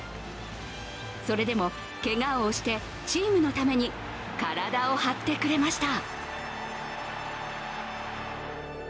それでも、けがを押してチームのために体を張ってくれました。